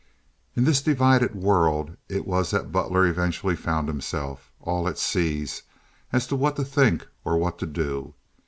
In this divided world it was that Butler eventually found himself, all at sea as to what to think or what to do.